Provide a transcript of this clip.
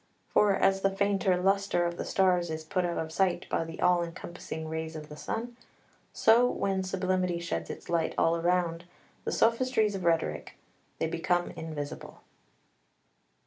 For as the fainter lustre of the stars is put out of sight by the all encompassing rays of the sun, so when sublimity sheds its light all round the sophistries of rhetoric they become invisible.